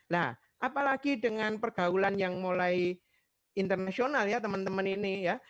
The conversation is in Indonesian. nah apalagi dengan pergaulan yang mulai internasional ya teman teman ini ya